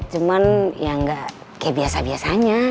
cuman ya nggak kayak biasa biasanya